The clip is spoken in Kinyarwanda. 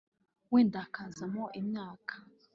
wenda hakazamo imyaka